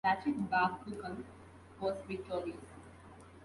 Lachit Barphukan was victorious.